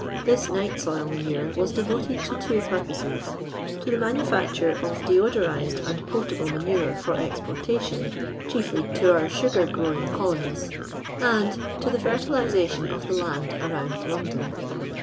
Tills night soil manure was dc voted to two puri»()scs — to tlic manufacture of deodorized and portable manure fi'r cxjiortation (chiefly to onr supar gix»wiiig colonies), and to the fertilization of the land around I^ndon.